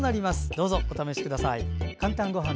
どうぞお試しください。